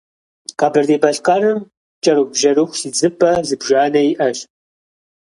Къэбэрдей-Балъкъэрым кӏэрыхубжьэрыху идзыпӏэ зыбжанэ иӏэщ.